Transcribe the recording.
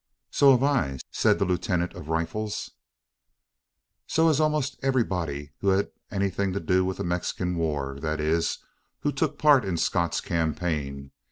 "So have I," said the lieutenant of rifles. "So has almost everybody who had anything to do with the Mexican war that is, who took part in Scott's campaign.